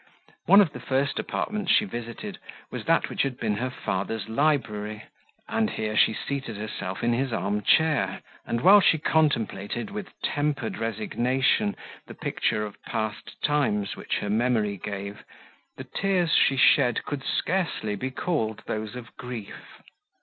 One of the first apartments she visited, was that, which had been her father's library, and here she seated herself in his arm chair, and, while she contemplated, with tempered resignation, the picture of past times, which her memory gave, the tears she shed could scarcely be called those of grief.